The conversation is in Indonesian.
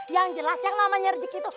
yang jelas yang namanya rezeki itu